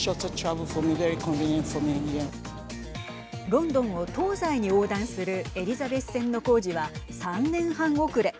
ロンドンを東西に横断するエリザベス線の工事は３年半遅れ。